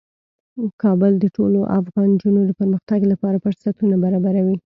کابل د ټولو افغان نجونو د پرمختګ لپاره فرصتونه برابروي.